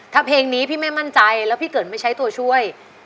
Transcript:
ถ้าเพลงนี้พี่ไม่มั่นใจแล้วพี่เกิดไม่ใช้ตัวช่วย